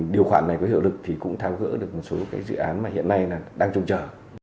điều khoản này có hiệu lực thì cũng thao gỡ được một số dự án mà hiện nay đang trông chờ